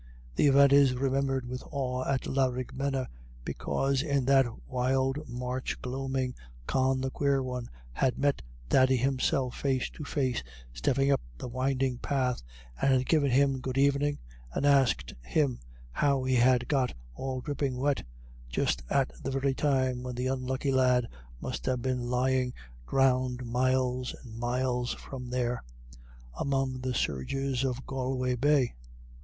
The event is remembered with awe at Laraghmena, because in that wild March gloaming Con the Quare One had met Thady himself face to face stepping up the winding path, and had given him good evening, and asked him how he had got all dripping wet, just at the very time when the unlucky lad must have been lying drowned miles and miles from there, among the surges of Galway Bay.